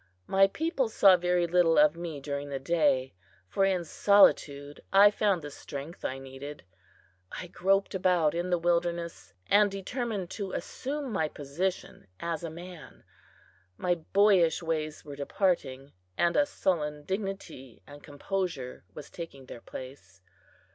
My people saw very little of me during the day, for in solitude I found the strength I needed. I groped about in the wilderness, and determined to assume my position as a man. My boyish ways were departing, and a sullen dignity and composure was taking their place.